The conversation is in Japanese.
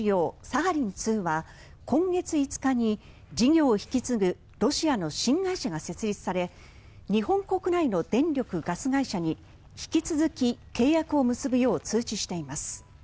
サハリン２は今月５日に事業を引き継ぐロシアの新会社が設立され日本国内の電力・ガス会社に引き続き契約を結ぶよう通知しています。